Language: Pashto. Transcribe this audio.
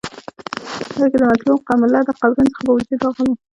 بلکي د مظلوم ملت د قبرونو څخه په وجود راغلی